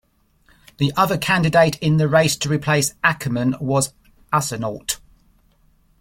The other candidate in the race to replace Akerman was Arsenault.